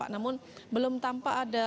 namun belum tampak ada